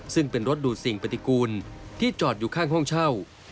ซึ่งเป็นรถดูดสิ่งปฏิกูลที่จอดอยู่ข้างห้องเช่า